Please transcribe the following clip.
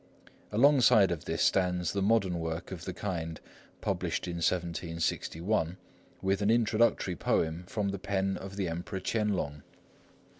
Alongside of this stands the modern work of the kind, published in 1761, with an introductory poem from the pen of the Emperor Ch'ien Lung.